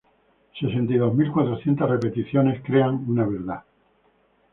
Sesenta y dos mil cuatrocientas repeticiones crean una verdad.